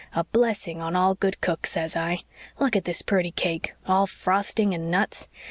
A blessing on all good cooks, says I. Look at this purty cake, all frosting and nuts.